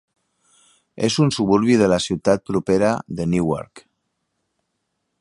És un suburbi de la ciutat propera de Newark.